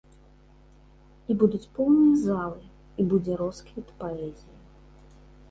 І будуць поўныя залы, і будзе росквіт паэзіі.